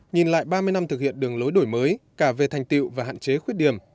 nhìn lại ba mươi năm thực hiện đường lối đổi mới cả về thành tiệu và hạn chế khuyết điểm